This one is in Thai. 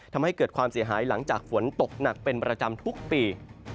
ทำให้เกิดความเสียหายหลังจากฝนตกหนักเป็นประจำทุกปี